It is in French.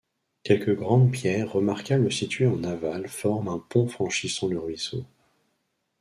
Quelques grandes pierres remarquables situées en aval forment un pont franchissant le ruisseau.